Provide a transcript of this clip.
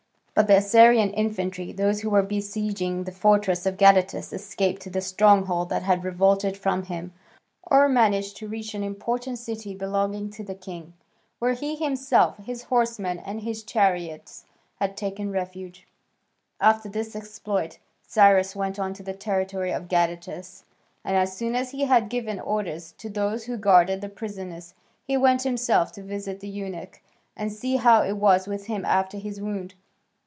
But of the Assyrian infantry, those who were besieging the fortress of Gadatas escaped to the stronghold that had revolted from him, or managed to reach an important city belonging to the king, where he himself, his horsemen, and his chariots had taken refuge. After this exploit Cyrus went on to the territory of Gadatas, and as soon as he had given orders to those who guarded the prisoners, he went himself to visit the eunuch and see how it was with him after his wound.